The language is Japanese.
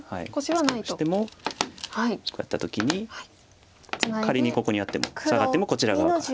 ツケコシてもこうやった時に仮にここにあってもツナがってもこちら側から。